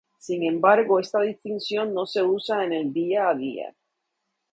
Sin embargo esta distinción no se usa en el día a día.